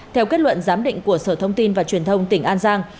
theo kết luận giám định của sở thông tin và truyền thông tỉnh an giang